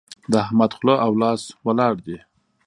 د احمد خوله او لاس ولاړ دي.